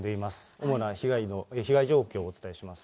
主な被害状況をお伝えします。